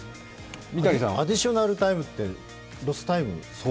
アディショナルタイムってロスタイム？